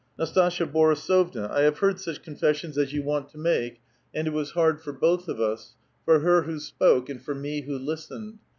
.^^ Nastasia Borisovna, I have heard such confessions as you want to make ; and it was hard for both of us, — for her 'who spoke and 4br me who listened.